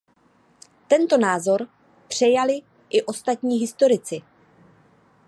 Tento názor přejali i ostatní historici.